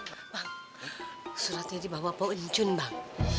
pak suratnya di bawah pohon cun bang